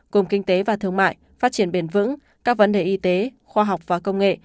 gồm kinh tế và thương mại phát triển bền vững các vấn đề y tế khoa học và công nghệ